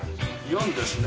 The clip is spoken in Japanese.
４ですね。